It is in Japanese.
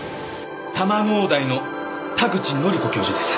多摩農大の田口紀子教授です。